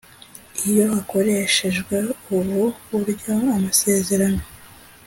Iyo hakoreshejwe ubu buryo amasezerano